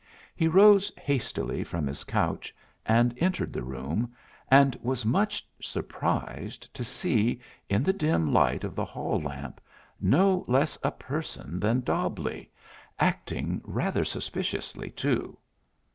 He rose hastily from his couch, and entered the room, and was much surprised to see, in the dim light of the hall lamp, no less a person than Dobbleigh, acting rather suspiciously, too.